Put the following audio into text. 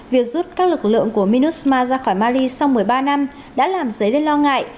việc rút các lực lượng của minusma ra khỏi mali sau một mươi ba năm đã làm dấy lên lo ngại